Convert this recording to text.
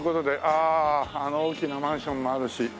あの大きなマンションもあるし。